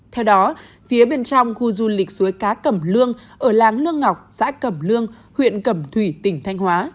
theo đó phía bên trong khu du lịch suối cá cẩm lương ở làng lương ngọc xã cẩm lương huyện cẩm thủy tỉnh thanh hóa